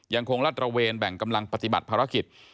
ยังคงลาดตระเวนแบ่งกำลังปฏิบัติภารกิจ